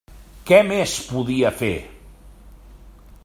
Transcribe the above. Què més podia fer?